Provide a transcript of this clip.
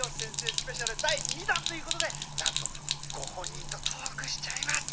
スペシャル第２弾ということでなんとご本人とトークしちゃいます。